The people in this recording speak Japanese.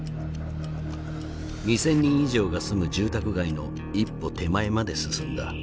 ２，０００人以上が住む住宅街の一歩手前まで進んだ。